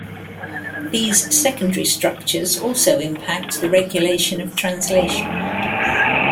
These secondary structures also impact the regulation of translation.